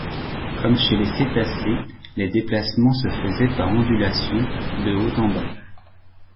Comme chez les cétacés, les déplacements se faisaient par ondulation de haut en bas.